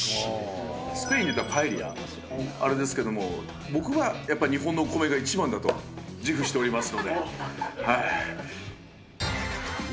スペインといえばパエリア、あれですけども、僕はやっぱり日本のお米が一番だと自負しておりますので、はい。